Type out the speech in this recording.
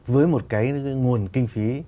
với một cái nguồn kinh phí